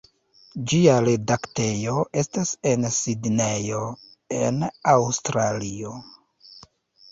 Ĝia redaktejo estas en Sidnejo, en Aŭstralio.